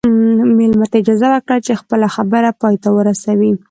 مېلمه ته اجازه ورکړه چې خپله خبره پای ته ورسوي.